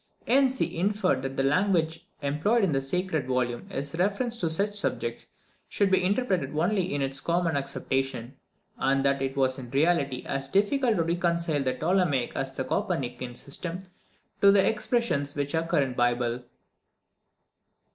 Hence he inferred, that the language employed in the sacred volume in reference to such subjects should be interpreted only in its common acceptation; and that it was in reality as difficult to reconcile the Ptolemaic as the Copernican system to the expressions which occur in the Bible.